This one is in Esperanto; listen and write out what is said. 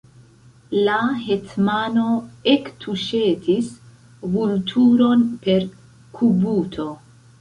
La hetmano ektuŝetis Vulturon per kubuto.